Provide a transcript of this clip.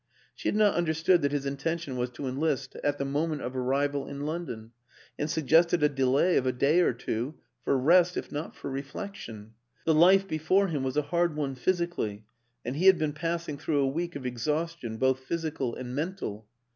She had not understood that his intention was to enlist at the moment of arrival in London, and suggested a delay of a day or two for rest if not for reflection: the life before him was a hard one physically, and he had been passing through a week of exhaustion both physical and mental.